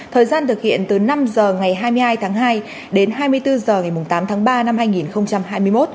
thời gian thực hiện từ năm h ngày hai mươi hai tháng hai đến hai mươi bốn h ngày tám tháng ba năm hai nghìn hai mươi một